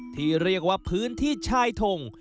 ที่เรียกว่าพื้นที่ชายทง